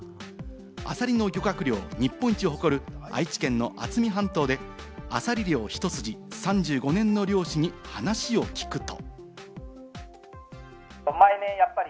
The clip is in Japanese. アサリの漁獲量日本一を誇る愛知県の渥美半島でアサリ漁ひと筋３５年の漁師に話を聞くと。